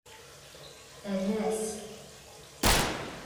Err-as.